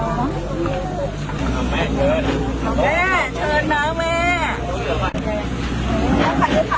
แม่ขอบคุณมากแม่ขอบคุณมากแม่ขอบคุณมากแม่ขอบคุณมาก